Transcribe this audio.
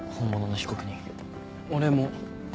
俺も。